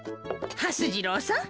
はす次郎さん